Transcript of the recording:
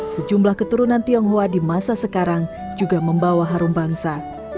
sejumlah keturunan tionghoa di masa sekarang juga membawa harum bangsa